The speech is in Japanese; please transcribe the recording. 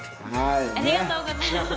ありがとうございます！